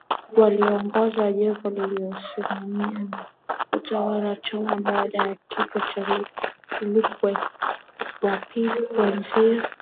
waliongoza jopo lililosimamia na kutawala Choma baada ya kifo cha Lukwele wa pili kuanzia